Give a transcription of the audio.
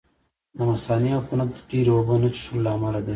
د مثانې عفونت ډېرې اوبه نه څښلو له امله دی.